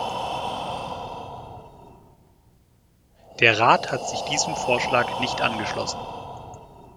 Der Rat hat sich diesem Vorschlag nicht angeschlossen.